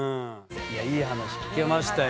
いい話聞けましたよ。